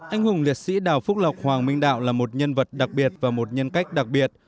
anh hùng liệt sĩ đào phúc lộc hoàng minh đạo là một nhân vật đặc biệt và một nhân cách đặc biệt